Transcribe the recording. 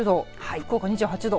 福岡２８度。